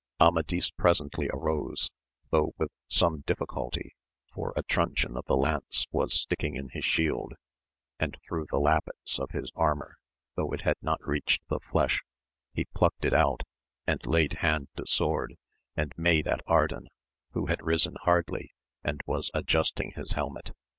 Amadis presently arose, though with some difficulty, for a truncheon of the lance was sticking in his shield, and through the lappets of his armour, though it had not reached the flesh ; he plucked it out, and laid hand to sword and made at Ardan, who had risen hardly and was adjusting his helmet.